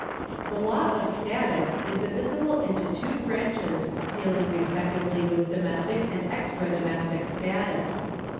The law of status is divisible into two branches dealing respectively with domestic and extra domestic status.